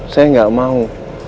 saya gak mau